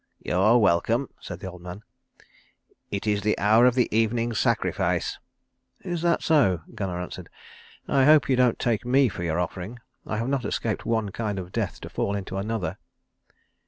"You are welcome," said the old man. "It is the hour of the evening sacrifice." "Is that so?" Gunnar answered. "I hope you don't take me for your offering. I have not escaped one kind of death to fall into another."